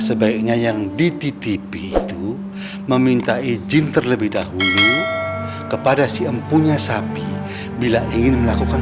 sebaiknya yang dititipi itu meminta izin terlebih dahulu kepada si empunya sapi bila ingin melakukan